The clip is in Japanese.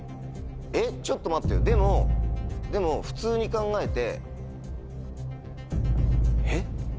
えっちょっと待ってよでも普通に考えて。